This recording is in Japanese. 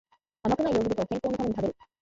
甘くないヨーグルトを健康のために食べる